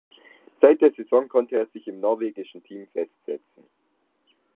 Seit der Saison konnte er sich im norwegischen Team festsetzen.